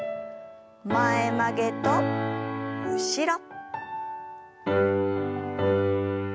前曲げと後ろ。